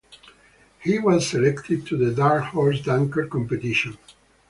He was selected to the Dark Horse Dunker Competition.